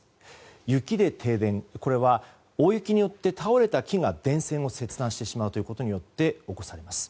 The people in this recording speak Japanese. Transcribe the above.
雪で停電、これは大雪によって倒れた木が電線を切断してしまうことにより起こされます。